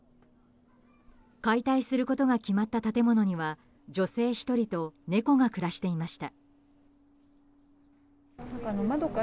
解体することが決まった建物には女性１人と猫が暮らしていました。